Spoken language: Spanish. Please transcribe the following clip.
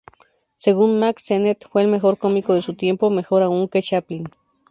Según Mack Sennett fue el mejor cómico de su tiempo, mejor aún que Chaplin.